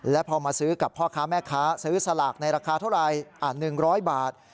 แล้วพอมาซื้อกับพ่อค้าแม่ค้าซื้อสลากในราคาเท่าไหร่๑๐๐บาท